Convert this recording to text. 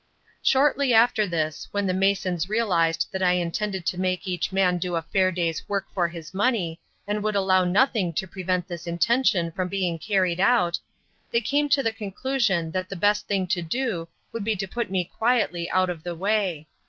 Shortly after this, when the masons realised that I intended to make each man do a fair day's work for his money, and would allow nothing to prevent this intention from being carried out, they came to the conclusion that the best thing to do would be to put me quietly out of the way.